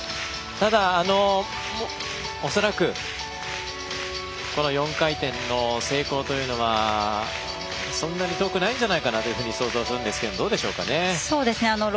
ただ、恐らくこの４回転の成功というのはそんなに遠くないんじゃないかなと想像するんですがどうでしょうかね？